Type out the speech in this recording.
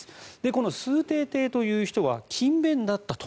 この崇禎帝という人は勤勉だったと。